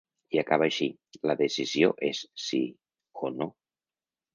I acaba així: La decisió és sí o no.